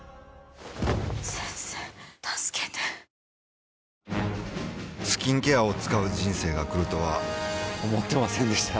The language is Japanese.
一体スキンケアを使う人生が来るとは思ってませんでした